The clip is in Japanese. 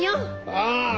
ああ。